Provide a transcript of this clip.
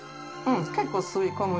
結構吸い込む。